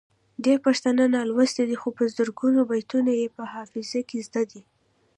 ډیری پښتانه نالوستي دي خو په زرګونو بیتونه یې په حافظه کې زده دي.